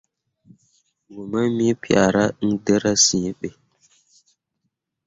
Pku mai me piahra iŋ dǝra sǝ̃ǝ̃be.